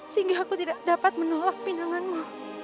sehingga aku tidak dapat menolak pinanganmu